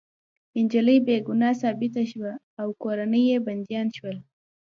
انجلۍ بې ګناه ثابته شوه او کورنۍ يې بندیان شول